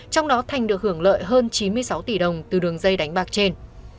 trong đó thành được hưởng lợi hơn chín mươi sáu tỷ đồng từ đường dây đánh bạc trên